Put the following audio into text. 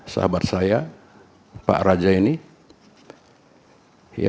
sahabat saya pak raja ini